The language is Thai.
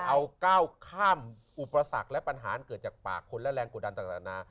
เอาก้าวข้ามอุปสรรคและปัญหาเกิดจากปากคนและแรงกดดันต่างนานา